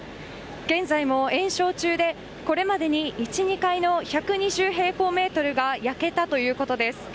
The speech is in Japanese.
現在も延焼中でこれまでに１、２階の１２０平方メートルが焼けたということです。